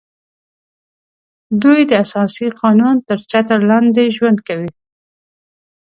دوی د اساسي قانون تر چتر لاندې ژوند کوي